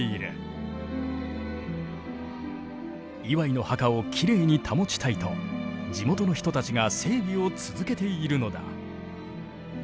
磐井の墓をきれいに保ちたいと地元の人たちが整備を続けているのだ。